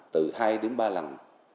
từ hai đến ba lần